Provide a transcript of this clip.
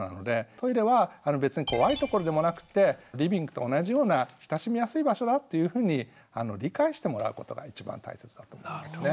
トイレは別に怖い所でもなくってリビングと同じような親しみやすい場所だっていうふうに理解してもらうことが一番大切だと思いますね。